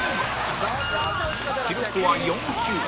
記録は４球